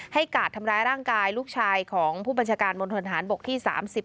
กาดทำร้ายร่างกายลูกชายของผู้บัญชาการมณฑนฐานบกที่๓๐